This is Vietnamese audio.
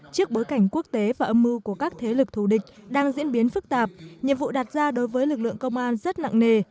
trước bối cảnh quốc tế và âm mưu của các thế lực thù địch đang diễn biến phức tạp nhiệm vụ đặt ra đối với lực lượng công an rất nặng nề